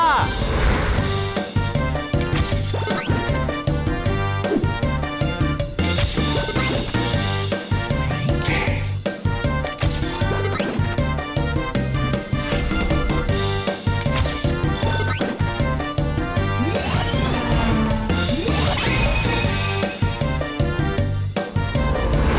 จากนี้ฟังที่ของคุณ